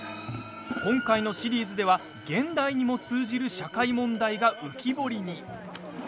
今回のシリーズでは現代にも通じる社会問題が浮き彫りに。